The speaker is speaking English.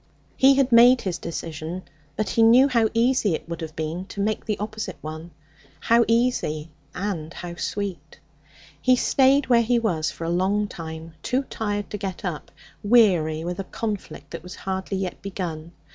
He had made his decision; but he knew how easy it would have been to make the opposite one. How easy and how sweet! He stayed where he was for a long time, too tired to get up, weary with a conflict that was hardly yet begun.